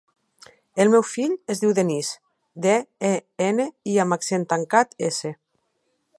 El meu fill es diu Denís: de, e, ena, i amb accent tancat, essa.